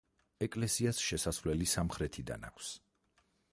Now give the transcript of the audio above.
ეკლესიას შესასვლელი სამხრეთიდან აქვს.